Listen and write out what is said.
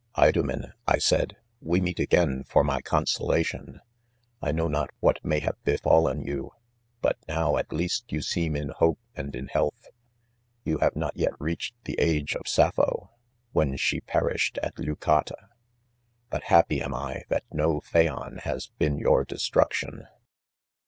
Idomen,_I said ? we meet _a^ajnjpxmjiconso lation. I know not what r.i:v invr: u jfrU .=:. jon : hut now, at leaat, you seem in. hope and. 40 IDOMEM. in. health ; you have, not yet reached the age of Sappho when she perished at Leueate \ but happy am I that no Phaon has been your fes truction.